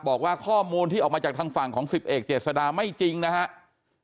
บอกว่าข้อมูลที่ออกมาจากทางฝั่งของ๑๐เอกเจษดาไม่จริงนะครับ